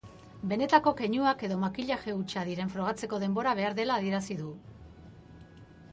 Benetako keinuak edo makillaje hutsa diren frogatzeko denbora behar dela adierazi du.